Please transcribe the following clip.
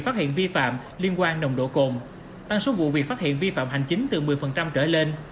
phát hiện vi phạm liên quan nồng độ cồn tăng số vụ việc phát hiện vi phạm hành chính từ một mươi trở lên